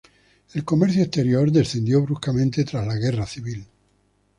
El comercio exterior descendió bruscamente tras la guerra civil.